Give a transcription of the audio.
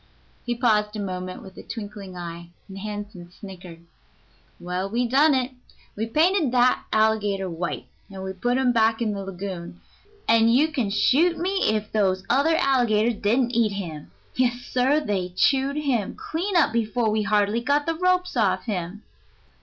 He paused a moment with a twinkling eye, and Hansen snickered. "Well, we done it. We painted that alligator white, and put him back in the lagoon, and you can shoot me if those other alligators didn't eat him. Yes, sir; they chewed him clean up before we'd hardly got the ropes off him."